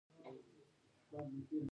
فروټس تازه او موسمي خوړل پکار وي -